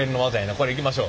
これいきましょう。